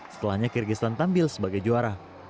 setelahnya kyrgyzstan tampil sebagai juara